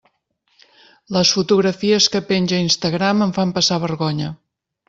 Les fotografies que penja a Instagram em fan passar vergonya.